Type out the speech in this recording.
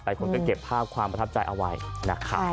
แต่คุณก็เก็บภาพความประทับใจเอาไว้นะคะ